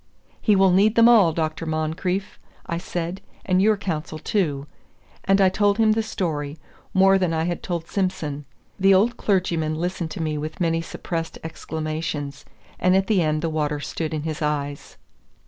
"He will need them all, Dr. Moncrieff," I said, "and your counsel too." And I told him the story, more than I had told Simson. The old clergyman listened to me with many suppressed exclamations, and at the end the water stood in his eyes.